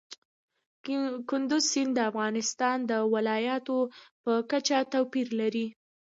کندز سیند د افغانستان د ولایاتو په کچه توپیر لري.